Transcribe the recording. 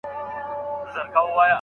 دا دودونه باید دوام ونه کړي.